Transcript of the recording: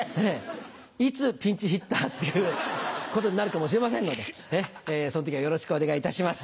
いつピンチヒッターっていうことになるかもしれませんのでその時はよろしくお願いいたします。